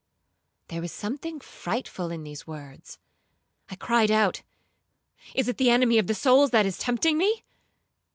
'—There was something frightful in these words. I cried out, 'Is it the enemy of souls that is tempting me?'